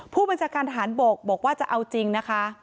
ผู้บัญชาการทหารบกบอกว่าจะเอาจริงนะคะ